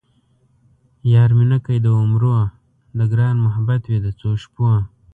یار مې نه کئ د عمرو ـ د ګران محبت وئ د څو شپو